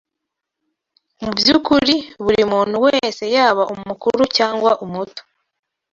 mu by’ukuri, buri muntu wese yaba umukuru cyangwa umuto